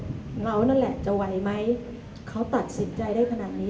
เรานั่นแหละจะไหวไหมเขาตัดสินใจได้ขนาดนี้